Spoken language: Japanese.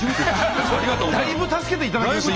だいぶ助けていただきました